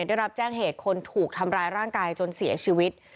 ได้รับแจ้งเหตุคนถูกทำร้ายร่างกายจนเสียชีวิต